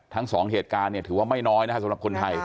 ทั้งสองเหตุการณ์เนี่ยถือว่าไม่น้อยอะสำหรับคนไทย